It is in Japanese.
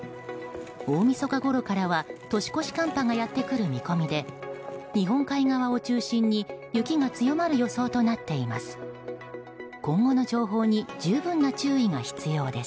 大みそかごろからは年越し寒波がやってくる見込みで日本海側を中心に雪が強まる予想となっています。